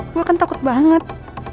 gue kan takut banget